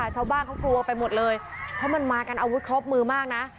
ชาวบ้านเขากลัวไปหมดเลยเพราะมันมากันอาวุธครบมือมากนะ